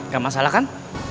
gak masalah kan